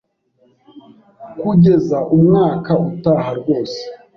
kugeza umwaka utaha rwose